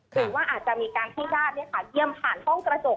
หรือว่าอาจจะมีการให้ญาติเยี่ยมผ่านห้องกระจก